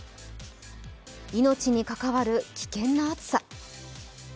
命に関わる危険な暑さ。